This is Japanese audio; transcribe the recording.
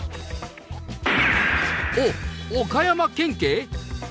おっ、岡山県警。